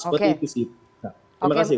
seperti itu sih